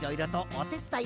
おてつだい？